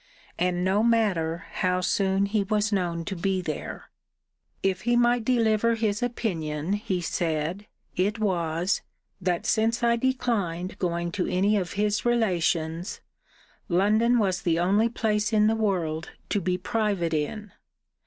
And no matter how soon he was known to be there. If he might deliver his opinion, he said, it was, that since I declined going to any of his relations, London was the only place in the world to be private in.